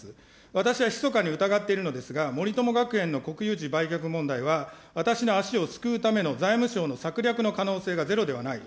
私はひそかに疑っているのですが、森友学園の国有地売却問題は、私の足をすくうための財務省の策略の可能性がゼロではない。